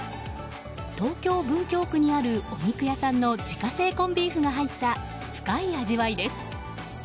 東京・文京区にあるお肉屋さんの自家製コンビーフが入った深い味わいです。